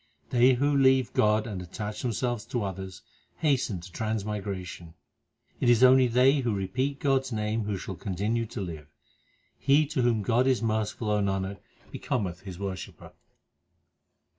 They who leave God and attach themselves to others Hasten to transmigration. It is only they who repeat God s name Who shall continue to live. 316 THE SIKH RELIGION He to whom God is merciful, O Nanak, becometh His worshipper.